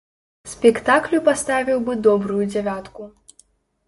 Спектаклю паставіў бы добрую дзявятку.